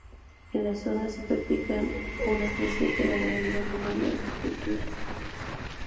En la zona se practican una creciente ganadería menor y agricultura.